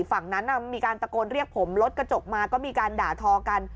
ฝั่งนั้นมีการตะโกนเรียกผมรถกระจกมาก็มีการด่าทอกัน